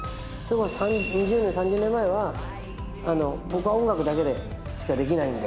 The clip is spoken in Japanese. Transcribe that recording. ２０年３０年前は僕は音楽だけしかできないんで。